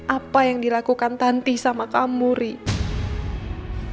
apa yang dilakukan tanti sama kamu riri